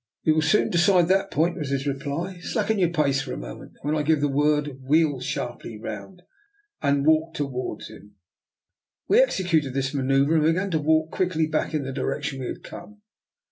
" We will soon decide that point," was his reply. " Slacken your pace for a moment, and when I give the word wheel sharply round and walk toward him." We executed this manoeuvre, and began to walk quickly back in the direction we had come.